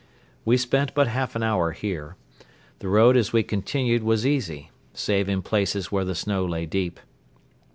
We spent but half an hour here. The road as we continued was easy, save in places where the snow lay deep.